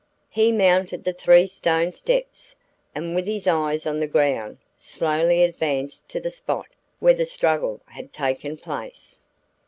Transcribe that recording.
He mounted the three stone steps, and with his eyes on the ground, slowly advanced to the spot where the struggle had taken place.